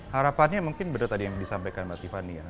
harapannya mungkin benar tadi yang disampaikan mbak tiffany ya